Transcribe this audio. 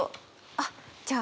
「あっじゃあ」